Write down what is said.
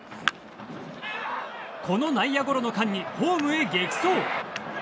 この内野ゴロの間にホームへ激走。